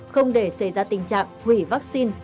không để xảy ra tình trạng hủy vaccine